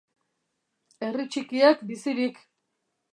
Herri txikiak bizirik!